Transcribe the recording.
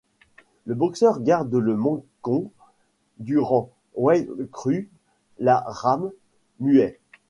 Le boxeur garde le Mongkon durant Wai Kru la Ram Muay.